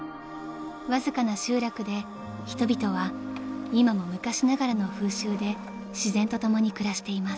［わずかな集落で人々は今も昔ながらの風習で自然と共に暮らしています］